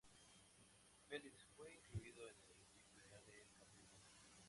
Felix fue incluido en el equipo ideal del Campeonato.